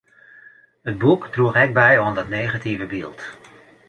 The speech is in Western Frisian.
It boek droech ek by oan dat negative byld.